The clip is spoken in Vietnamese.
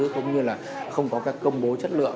cũng như là không có công bố chất lượng